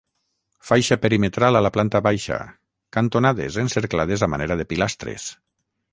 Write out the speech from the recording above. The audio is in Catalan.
Faixa perimetral a la planta baixa, cantonades encerclades a manera de pilastres.